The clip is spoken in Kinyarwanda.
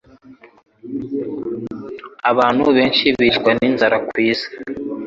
Abantu benshi bicwa ninzara kwisi.